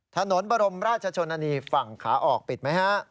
ถนนบรมราชชนนานีฝั่งขาออกปิดไหมฮะ